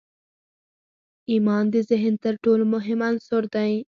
ایمان د ذهن تر ټولو مهم عنصر دی